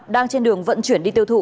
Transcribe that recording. đang trên đường vận chuyển đi tiêu thụ